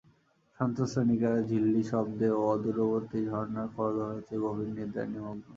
শ্রান্ত সৈনিকেরা ঝিল্লির শব্দে ও অদূরবর্তী ঝর্নার কলধ্বনিতে গভীর নিদ্রায় নিমগ্ন।